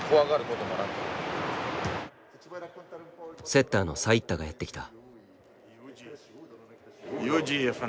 セッターのサイッタがやって来た。